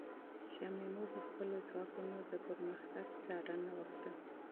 شاه محمود د خپلو ځواکونو د پرمختګ څارنه وکړه.